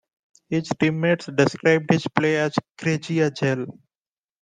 His teammates described his play as "crazy as hell".